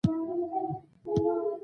جانداد د خلکو لپاره ګټور څېرہ دی.